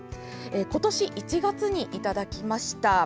今年１月にいただきました。